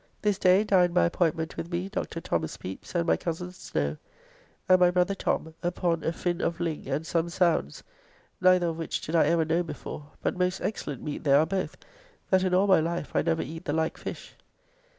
This day dined by appointment with me, Dr. Thos. Pepys and my Coz: Snow, and my brother Tom, upon a fin of ling and some sounds, neither of which did I ever know before, but most excellent meat they are both, that in all my life I never eat the like fish.